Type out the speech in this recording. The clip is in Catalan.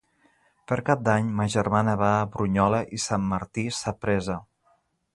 Per Cap d'Any ma germana va a Brunyola i Sant Martí Sapresa.